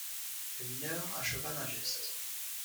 Le mineur acheva d’un geste.